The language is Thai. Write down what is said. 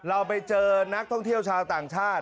เราไปเจอนักท่องเที่ยวชาวต่างชาติ